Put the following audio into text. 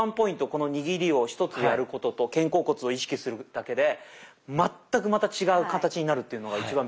この握りを一つやることと肩甲骨を意識するだけで全くまた違う形になるっていうのが一番勉強になりました。